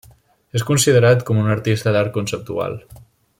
És considerat, com un artista d’art conceptual.